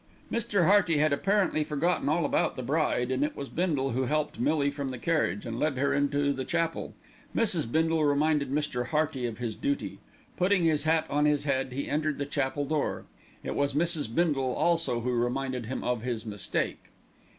Mr. Hearty had apparently forgotten all about the bride, and it was Bindle who helped Millie from the carriage, and led her into the chapel. Mrs. Bindle reminded Mr. Hearty of his duty. Putting his hat on his head, he entered the chapel door. It was Mrs. Bindle also who reminded him of his mistake.